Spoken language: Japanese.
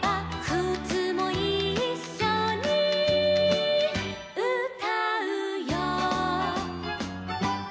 「くつもいっしょにうたうよ」